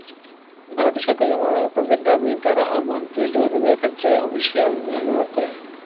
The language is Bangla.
ভারতের সরকারি কর্মকর্তাদের দাবি, তারা অভ্যন্তরীণ যোগাযোগের ক্ষেত্রে অফিশিয়াল মেইল ব্যবহার করেন।